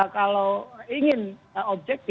kalau ingin objek